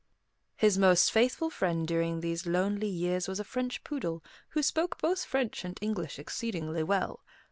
His most faithful friend during these lonely years was a French poodle, who spoke both French and English exceedingly well.